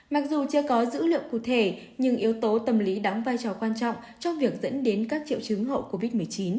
mặc dù chưa có dữ liệu cụ thể nhưng yếu tố tâm lý đóng vai trò quan trọng trong việc dẫn đến các triệu chứng hậu covid một mươi chín